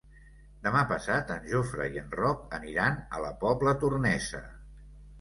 Demà passat en Jofre i en Roc aniran a la Pobla Tornesa.